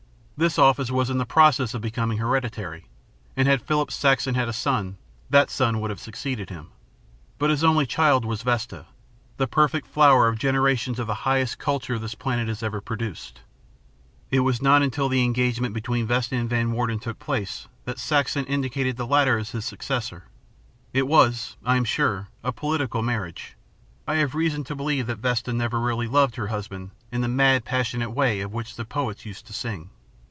This office was in process of becoming hereditary, and had Philip Saxon had a son that son would have succeeded him. But his only child was Vesta, the perfect flower of generations of the highest culture this planet has ever produced. It was not until the engagement between Vesta and Van Warden took place, that Saxon indicated the latter as his successor. It was, I am sure, a political marriage. I have reason to believe that Vesta never really loved her husband in the mad passionate way of which the poets used to sing.